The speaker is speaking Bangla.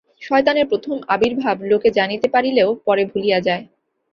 শয়তানের প্রথম আবির্ভাব লোকে জানিতে পারিলেও পরে ভুলিয়া যায়।